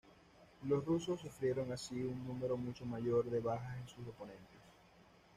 Los rusos sufrieron así un número mucho mayor de bajas que sus oponentes.